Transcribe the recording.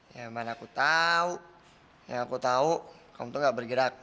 yang mana aku tahu yang aku tahu kaum tuh gak bergerak